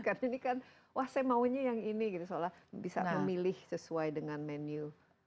karena ini kan wah saya maunya yang ini gitu seolah bisa memilih sesuai dengan menu